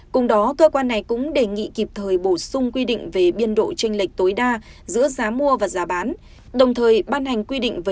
cùng đó cơ quan này cũng đề nghị kịp thời bổ sung quy định về biên độ tranh lệch tối đa giữa giá mua và giá bán